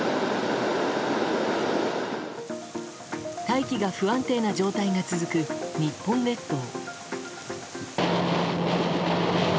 大気が不安定な状態が続く日本列島。